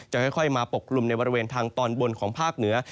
ค่อยมาปกกลุ่มในบริเวณทางตอนบนของภาคเหนือ